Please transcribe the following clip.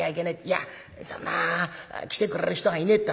『いやそんな来てくれる人はいねえ』